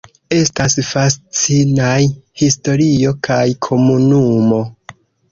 Estas fascinaj historio kaj komunumo.